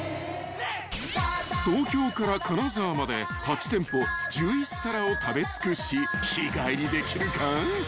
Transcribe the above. ［東京から金沢まで８店舗１１皿を食べ尽くし日帰りできるか］